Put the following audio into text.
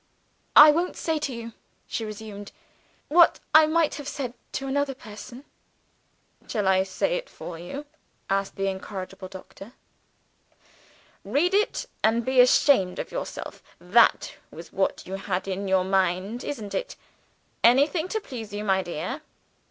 "I won't say to you," she resumed, "what I might have said to another person." "Shall I say it for you?" asked the incorrigible doctor. "'Read it, and be ashamed of yourself' That was what you had in your mind, isn't it? Anything to please you, my dear."